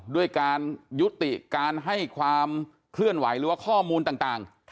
ด้วยการยุติการให้ความเคลื่อนไหวหรือว่าข้อมูลต่าง